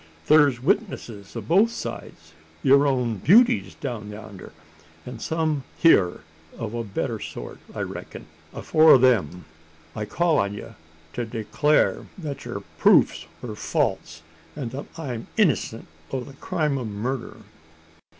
Thur's witnesses o' both sides yur own beauties down yander; an' some hyur o' a better sort, I reck'n. Afore them, I call on ye to declar that yur proofs wur false, an' that I'm innocent o' the crime o' murder!"